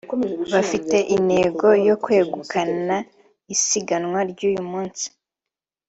bafite intego yo kwegukana isiganwa ry’uyu munsi